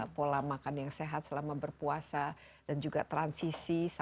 pola makan yang sehat selama berpuasa dan juga transisi sampai ke ya tentu saja